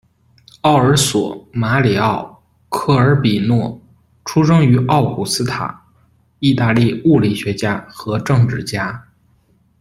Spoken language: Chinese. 奥尔索·马里奥·科尔比诺，出生于奥古斯塔，意大利物理学家和政治家。